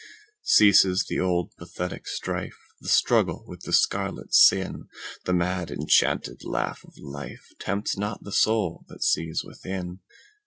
Ceases the old pathetic strife, The struggle with the scarlet sin:The mad enchanted laugh of lifeTempts not the soul that sees within.